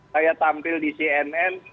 saya tampil di cnn